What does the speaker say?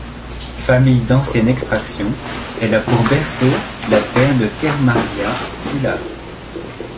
Famille d'ancienne extraction, elle a pour berceau la terre de Kermaria-Sulard.